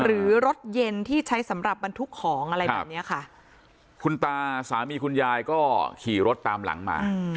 หรือรถเย็นที่ใช้สำหรับบรรทุกของอะไรแบบเนี้ยค่ะคุณตาสามีคุณยายก็ขี่รถตามหลังมา